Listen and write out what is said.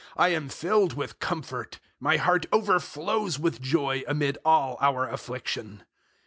I am filled with comfort: my heart overflows with joy amid all our affliction.